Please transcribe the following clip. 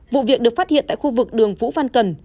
vụ việc được phát hiện tại khu vực đường vũ phan cần